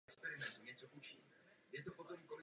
Složení částic se významně liší podle způsobu jejich vzniku.